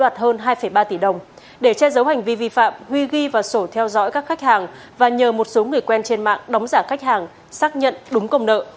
để che giấu hành vi vi phạm huy ghi vào sổ theo dõi các khách hàng và nhờ một số người quen trên mạng đóng giả khách hàng xác nhận đúng công nợ